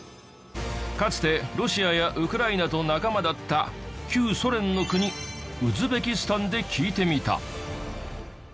かつてロシアやウクライナと仲間だった旧ソ連の国ウズベキスタンで聞いてみた。